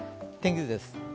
天気図です。